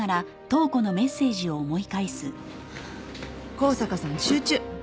「向坂さん集中！！」